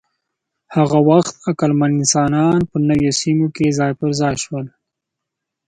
هغه وخت عقلمن انسانان په نویو سیمو کې ځای پر ځای شول.